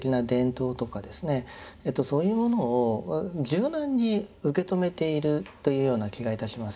そういうものを柔軟に受け止めているというような気がいたします。